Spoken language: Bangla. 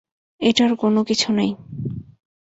এটার কোনকিছু নাই।